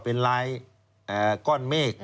เป็นลายก้อนเมฆ